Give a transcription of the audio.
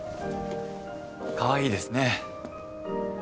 かわいいですね。